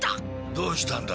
どうしたんだね？